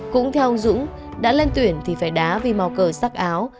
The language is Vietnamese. cũng theo ông dũng đã lên tuyển thì phải đá vì màu cờ sắc áo